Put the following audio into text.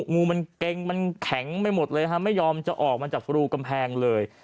งูมันเกร็งมันแข็งไปหมดเลยฮะไม่ยอมจะออกมาจากรูกำแพงเลย